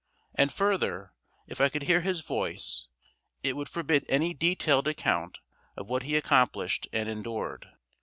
And, further, if I could hear his voice, it would forbid any detailed account of what he accomplished and endured.